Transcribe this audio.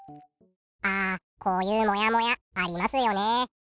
あこういうモヤモヤありますよね。